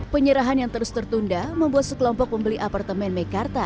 penyerahan yang terus tertunda membuat sekelompok pembeli apartemen meikarta